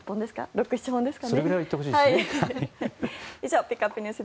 ６７本ですか。